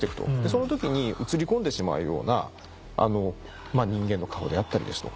その時に映り込んでしまうような人間の顔であったりですとか